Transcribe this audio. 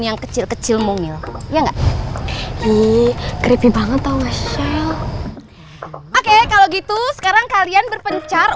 yang kecil kecil mungil ya nggak ii creepy banget tahu sel oke kalau gitu sekarang kalian berpencar